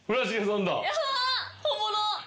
本物！